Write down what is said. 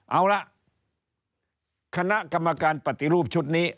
เอาละคณะกรรมการปฏิรูปชุดนี้